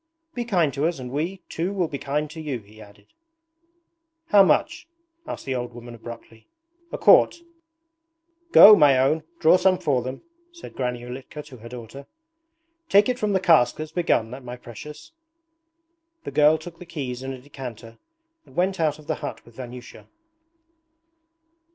'Be kind to us and we, too will be kind to you,' he added. 'How much?' asked the old woman abruptly. 'A quart.' 'Go, my own, draw some for them,' said Granny Ulitka to her daughter. 'Take it from the cask that's begun, my precious.' The girl took the keys and a decanter and went out of the hut with Vanyusha.